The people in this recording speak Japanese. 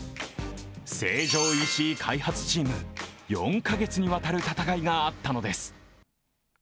成城石井開発チーム、４カ月にわたる戦いがあったのです。